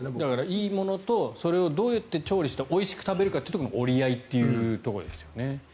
いいものとそれをどうやって調理しておいしく食べるかというところの折り合いというところですね。